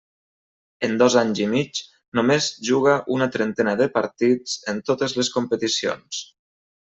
En dos anys i mig, només juga una trentena de partits en totes les competicions.